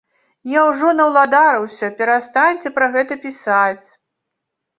Я ўжо наўладарыўся, перастаньце пра гэта пісаць.